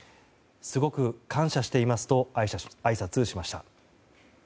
すごく感謝していますとあいさつしました。